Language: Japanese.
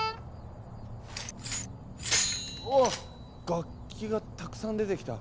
楽器がたくさん出てきた。